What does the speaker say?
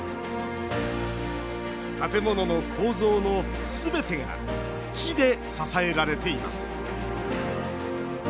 建物の構造のすべてが木で支えられています。